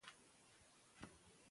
هغه درس چې ساده وي ژر زده کېږي.